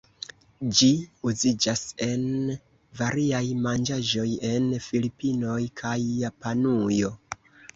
Ĝi uziĝas en variaj manĝaĵoj en Filipinoj kaj Japanujo.